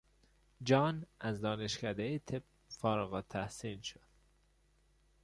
جان از دانشکدهی طب فارغ التحصیل شد.